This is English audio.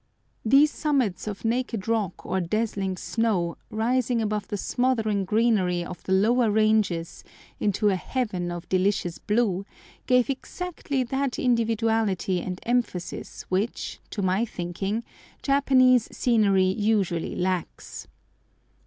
These summits of naked rock or dazzling snow, rising above the smothering greenery of the lower ranges into a heaven of delicious blue, gave exactly that individuality and emphasis which, to my thinking, Japanese scenery usually lacks.